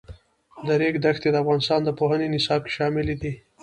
د ریګ دښتې د افغانستان د پوهنې نصاب کې شامل دي.